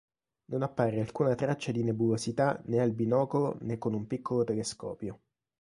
Non appare alcuna traccia di nebulosità né al binocolo, né con un piccolo telescopio.